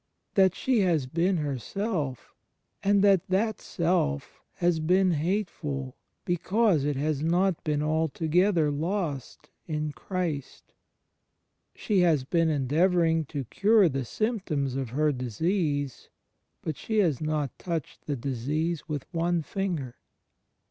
. that she has been herself ^ and that that self has been hateful because it has not been altogether lost in Christ. She has been endeavouring to cure the symptoms of her disease, but she has not touched the disease with ope finger.